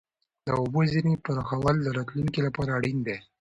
د اوبو زیرمې پراخول د راتلونکي لپاره اړین دي.